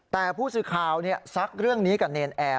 แต่ผู้สื่อข่าวซักเรื่องนี้กับเนรนแอร์